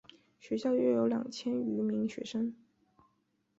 学校约有两千余名学生。